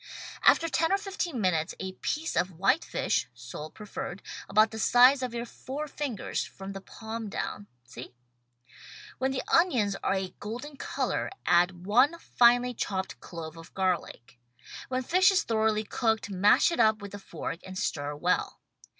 After ten or fifteen minutes, a piece of white fish (sole preferred) about the size of your four fingers, from the palm down — see? When the onions are a golden color add one finely chopped clove of garlic. When fish is thoroughly cooked, mash it up with a fork and stir well.